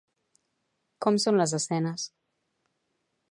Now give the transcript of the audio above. Com són les escenes?